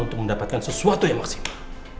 untuk mendapatkan sesuatu yang maksimal